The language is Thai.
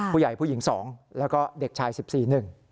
ผู้ใหญ่ผู้หญิง๒แล้วก็เด็กชาย๑๔หนึ่ง